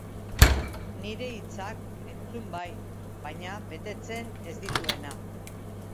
Nire hitzak entzun bai, baina betetzen ez dituena.